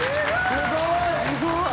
すごい。